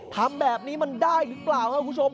ทำแบบนี้มันได้หรือเปล่านะครับ